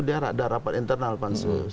dia ada rapat internal pansus